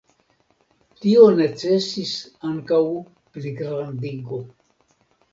Tio necesis ankaŭ pligrandigo.